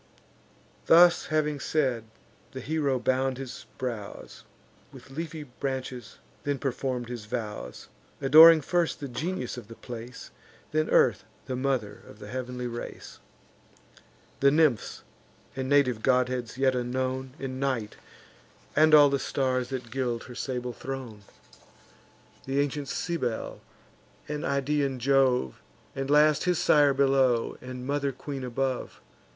Thus having said, the hero bound his brows With leafy branches, then perform'd his vows; Adoring first the genius of the place, Then Earth, the mother of the heav'nly race, The nymphs, and native godheads yet unknown, And Night, and all the stars that gild her sable throne, And ancient Cybel, and Idaean Jove, And last his sire below, and mother queen above.